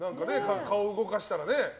顔を動かしたらね。